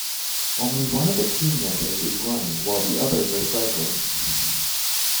Only one of the team members is running while all others are cycling.